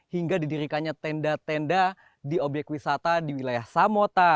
hingga didirikannya tenda tenda di obyek wisata di wilayah samota